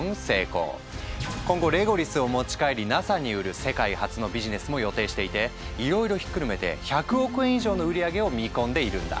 今後レゴリスを持ち帰りＮＡＳＡに売る世界初のビジネスも予定していていろいろひっくるめて１００億円以上の売り上げを見込んでいるんだ。